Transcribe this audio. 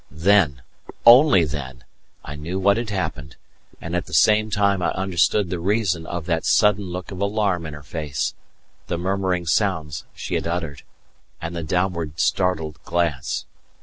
Then only then I knew what had happened, and at the same time I understood the reason of that sudden look of alarm in her face, the murmuring sounds she had uttered, and the downward startled glance.